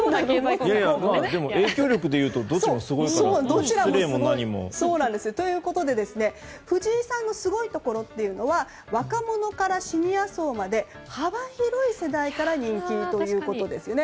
影響力でいうとどっちもすごいから失礼も何も。ということで、藤井さんのすごいところというのは若者からシニア層まで幅広い世代から人気ということですよね。